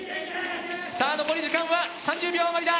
さあ残り時間は３０秒余りだ。